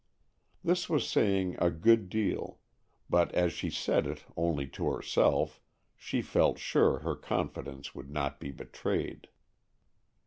This was saying a good deal, but as she said it only to herself, she felt sure her confidence would not be betrayed.